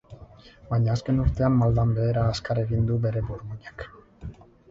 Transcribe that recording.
Baina azken urtean maldan behera azkar egin du bere burmuinak.